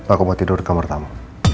aku mau tidur di kamar tamu